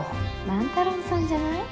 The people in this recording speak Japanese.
万太郎さんじゃない？